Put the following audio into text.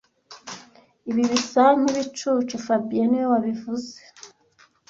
Ibi bisa nkibicucu fabien niwe wabivuze